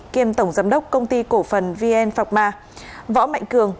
kiêm tổng giám đốc công ty cổ phần vn phạc ma võ mạnh cường